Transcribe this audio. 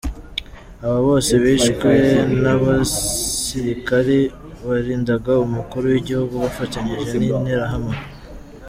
Abo bose bishwe n’abasirikare barindaga umukuru w’igihugu bafatanyije n’Interahamwe.